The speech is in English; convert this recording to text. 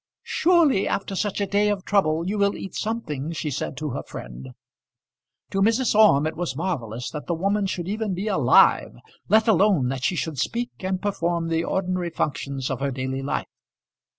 "Surely after such a day of trouble you will eat something," she said to her friend. To Mrs. Orme it was marvellous that the woman should even be alive, let alone that she should speak and perform the ordinary functions of her daily life.